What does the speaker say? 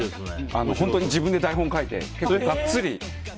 本当に自分で台本を書いてがっつり。